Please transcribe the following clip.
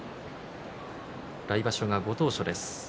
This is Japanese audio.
来場所がご当所です。